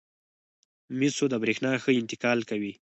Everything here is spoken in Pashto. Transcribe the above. مسو د برېښنا ښه انتقال کوي.